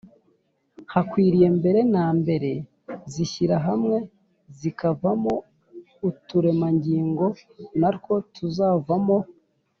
hakwiriye Mbere na mbere zishyira hamwe zikavamo uturemangingo na two tukazavamo